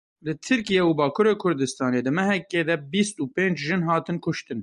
Li Tirkiye û Bakurê Kurdistanê di mehekê de bîst û pênc jin hatin kuştin.